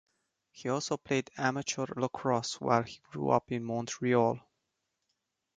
He also played amateur lacrosse while he grew up in Montreal.